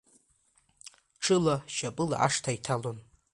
Ҽыла, шьапыла ашҭа иҭалон.